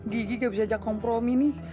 gigi kayak bisa ajak kompromi nih